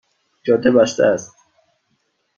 جاده بسته است